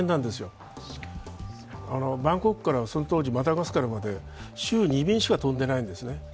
当時、バンコクからマダガスカルまで週２便しか飛んでないんですね。